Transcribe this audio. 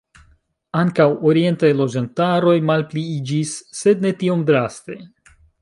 Ankaŭ orientaj loĝantaroj malpliiĝis, sed ne tiom draste.